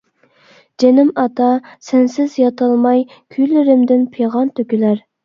جېنىم ئاتا سەنسىز ياتالماي، كۈيلىرىمدىن پىغان تۆكۈلەر.